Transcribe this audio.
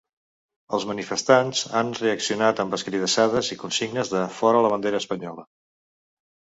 Els manifestants han reaccionat amb escridassades i consignes de “fora la bandera espanyola”.